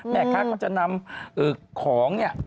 แม่ค้าเขาจะนำของนี่